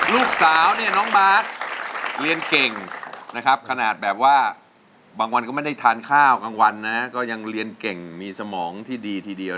ลูกสาวเนี่ยน้องบาทเรียนเก่งนะครับขนาดแบบว่าบางวันก็ไม่ได้ทานข้าวกลางวันนะก็ยังเรียนเก่งมีสมองที่ดีทีเดียว